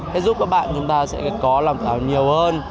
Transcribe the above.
sẽ giúp các bạn chúng ta sẽ có lòng tự hào nhiều hơn